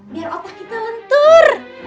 biar otak kita lentur